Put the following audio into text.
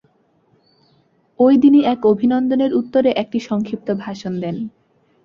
ঐ দিনই এক অভিনন্দনের উত্তরে একটি সংক্ষিপ্ত ভাষণ দেন।